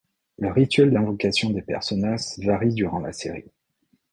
Le rituel d'invocation des Personas varie durant la série.